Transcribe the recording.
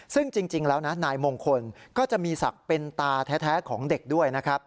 ซึ่งจริงแล้วนะนายมงคลก็จะมีศักดิ์เป็นตาแท้ของเด็กด้วยนะครับ